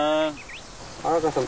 原川さん